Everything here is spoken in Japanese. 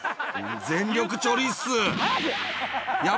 全力チョリース。